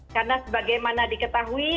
karena sebagaimana diketahui